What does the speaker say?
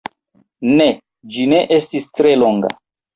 Ne, ĝi ne estis tre longa.